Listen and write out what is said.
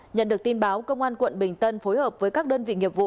nhận được tin báo công an quận bình tân phối hợp với các đơn vị nghiệp vụ